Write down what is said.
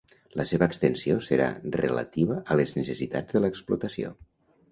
La seva extensió serà relativa a les necessitats de l'explotació.